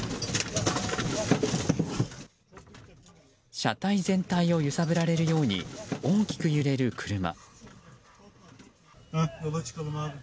車体全体を揺さぶられるように大きく揺れる車。